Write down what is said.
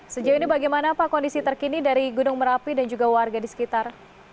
sejauh ini bagaimana pak kondisi terkini dari gunung merapi dan juga warga di sekitar